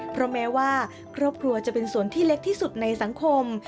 เพราะแม้ว่าครอบครัวจะเป็นส่วนที่เล็กที่สุดในสังคม